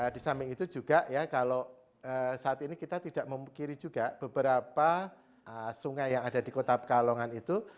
di samping itu juga ya kalau saat ini kita tidak memungkiri juga beberapa sungai yang ada di kota pekalongan itu